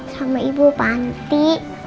sama ibu panti